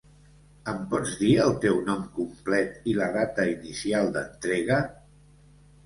Em pots dir el teu nom complet i la data inicial d'entrega?